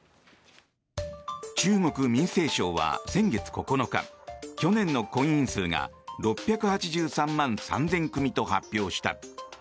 中国民政省は先月９日去年の婚姻数が６８３万３０００組と発表した。